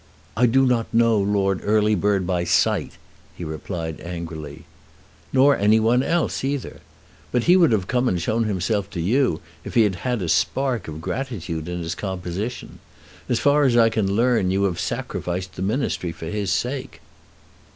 "I do not know Lord Earlybird by sight," he replied angrily. "Nor any one else either. But he would have come and shown himself to you, if he had had a spark of gratitude in his composition. As far as I can learn you have sacrificed the Ministry for his sake."